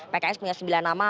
pks punya sembilan nama